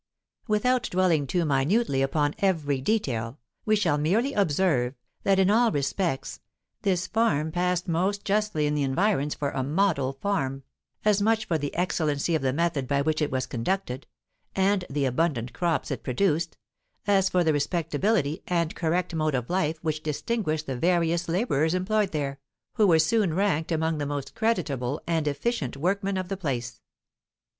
Without dwelling too minutely upon every detail, we shall merely observe, that in all respects this farm passed most justly in the environs for a model farm, as much for the excellency of the method by which it was conducted, and the abundant crops it produced, as for the respectability and correct mode of life which distinguished the various labourers employed there, who were soon ranked among the most creditable and efficient workmen of the place.